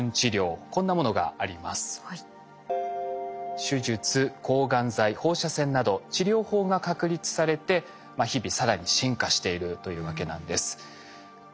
手術抗がん剤放射線など治療法が確立されて日々更に進化しているというわけなんです。